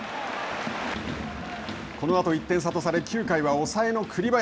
このあと１点差とされ９回は抑えの栗林。